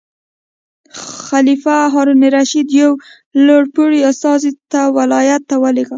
خلیفه هارون الرشید یو لوړ پوړی استازی یو ولایت ته ولېږه.